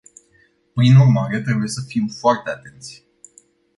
Prin urmare, trebuie să fim foarte atenți.